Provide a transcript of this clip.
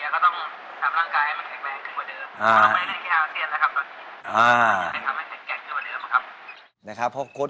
ความแข็งแกร่งของพวกนี้ครับ